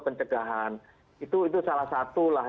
pencegahan itu salah satulah